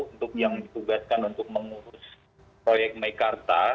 untuk yang ditugaskan untuk mengurus proyek meikarta